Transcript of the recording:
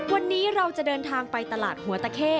วันนี้เราจะเดินทางไปตลาดหัวตะเข้